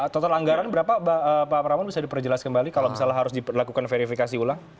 total anggaran berapa pak pramon bisa diperjelas kembali kalau misalnya harus dilakukan verifikasi ulang